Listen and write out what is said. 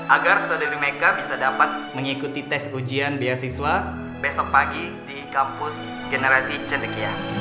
agar saudari mereka bisa dapat mengikuti tes ujian beasiswa besok pagi di kampus generasi cendekia